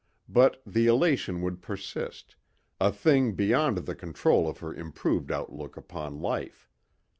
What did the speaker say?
But the elation would persist, a thing beyond the control of her improved outlook upon life.